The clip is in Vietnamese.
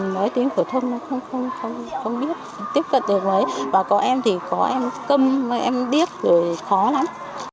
nói tiếng phổ thông nó không biết tiếp cận được với và có em thì có em cơm em biết rồi khó lắm